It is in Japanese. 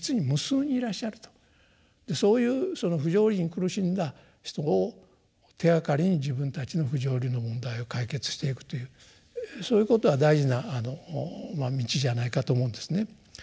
そういうその不条理に苦しんだ人を手がかりに自分たちの不条理の問題を解決していくというそういうことは大事な道じゃないかと思うんですね。